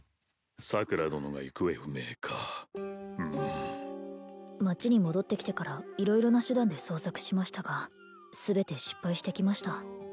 桜殿が行方不明かむむ町に戻ってきてから色々な手段で捜索しましたが全て失敗してきました